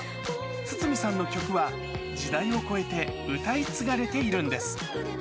筒美さんの曲は、時代を超えて歌い継がれているんです。